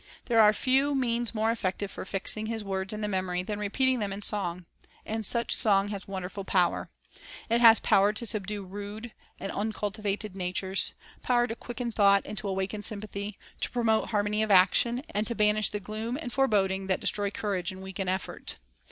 There are few means more effective for fixing His words in the memory than repeating them in song. And such song has wonderful power. It has 1 Isa. 26: 1 4. 2 Isa. 35 : 10, R. V. 3 Jer. 31 : 12. 168 The Bible as an Educator power to subdue rude and uncultivated natures; power to quicken thought and to awaken sympathy, to pro mote harmony of action, and to banish the gloom and foreboding that destroy courage and weaken effort.